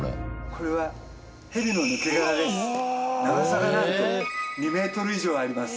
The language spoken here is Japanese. これは長さがなんと２メートル以上あります。